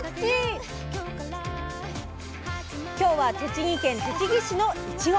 今日は栃木県栃木市のいちご！